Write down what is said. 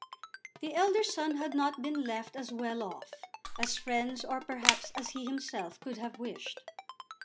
The elder son had not been left as well off as friends, or perhaps as he himself, could have wished.